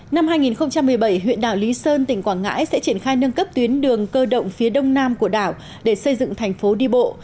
năm hai nghìn một mươi bảy huyện đảo lý sơn tỉnh quảng ngãi sẽ triển khai nâng cấp tuyến đường cơ động phía đông nam của đảo để xây dựng thành phố đi bộ